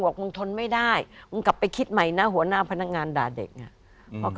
มึงทนไม่ได้มึงกลับไปคิดใหม่นะหัวหน้าพนักงานด่าเด็กอ่ะ